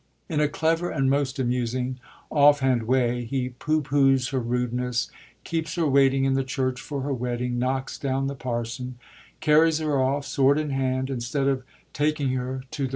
In a clever and most amusing, off hand way he pooh poohs her rudeness, keeps her waiting in the church for her wedding, knocks down the parson, carries her off, sword in hand, instead of taking her to the f7 HENRY IV.